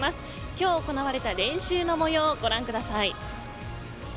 今日行われた練習の模様をご覧ください。